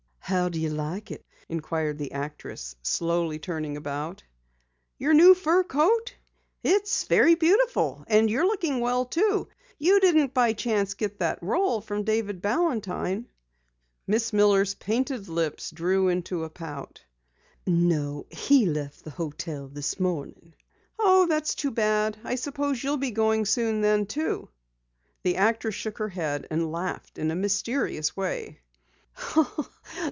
"How do you like it?" inquired the actress, turning slowly about. "Your new fur coat? It's very beautiful. And you're looking well, too. You didn't by chance get that role from David Balantine?" Miss Miller's painted lips drew into a pout. "No, he left the hotel this morning." "Oh, that's too bad. I suppose you'll be going soon, then?" The actress shook her head, and laughed in a mysterious way.